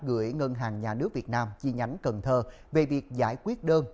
gửi ngân hàng nhà nước việt nam chi nhánh cần thơ về việc giải quyết đơn